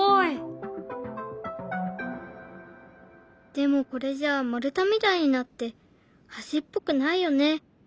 でもこれじゃあ丸太みたいになって橋っぽくないよね。